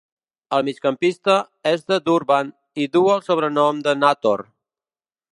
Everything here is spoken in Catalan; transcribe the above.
El migcampista és de Durban, i du el sobrenom de "Nator".